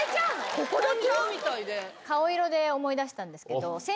ここだけ？